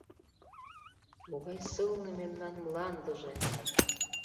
Могай сылне мемнан мландыже!